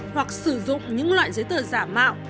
hoặc sử dụng những loại giấy tờ giả mạo